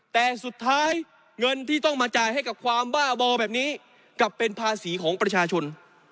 แต่สุดท้ายเงินที่ต้องมาจ่ายให้กับความบ้าบอแบบนี้กลับเป็นภาษีของประชาชน